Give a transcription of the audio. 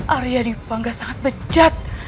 arya dewi pangga sangat bejat